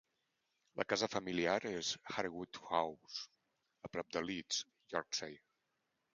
La casa familiar és Harewood House, a prop de Leeds, Yorkshire.